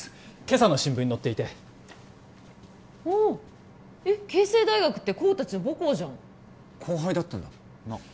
今朝の新聞に載っていておおえっ慶成大学って功達の母校じゃん後輩だったんだなっ